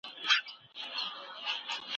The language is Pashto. په ځينو کورونو کي خواښي د مږور دښمنه ولي وي؟